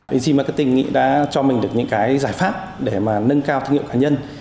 easy marketing đã cho mình được những giải pháp để nâng cao thương hiệu cá nhân